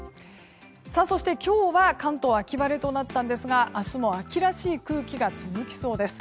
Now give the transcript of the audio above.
そして今日は関東秋晴れとなったんですが明日も秋らしい空気が続きそうです。